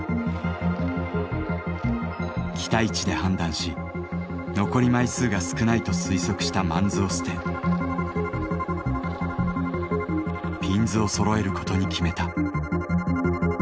「期待値」で判断し残り枚数が少ないと推測した萬子を捨て筒子をそろえることに決めた。